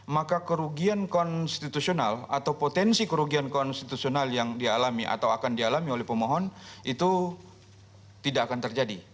maka kerugian konstitusional atau potensi kerugian konstitusional yang dialami atau akan dialami oleh pemohon itu tidak akan terjadi